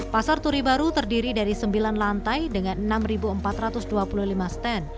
pasar turi baru terdiri dari sembilan lantai dengan enam empat ratus dua puluh lima stand